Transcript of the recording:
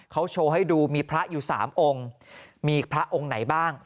เขาโชว์ให้ดูมีพระอยู่๓องค์มีพระองค์ไหนบ้าง